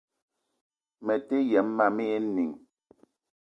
Mete yem mam éè inìng